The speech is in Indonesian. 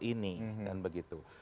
ini kan begitu